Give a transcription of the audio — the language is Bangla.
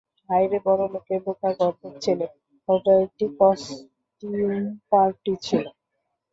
হায়রে বড়লোকের বোকাগর্দভ ছেলে, ওটা একটা কস্টিউম পার্টি ছিল!